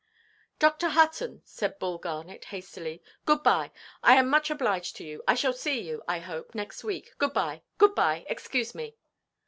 "Dr. Hutton," said Bull Garnet, hastily, "good–bye; I am much obliged to you. I shall see you, I hope, next week. Good–bye, good–bye. Excuse me."